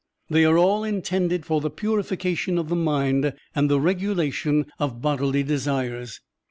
They are all intended for the purification of the mind and the regulation of bodily desires.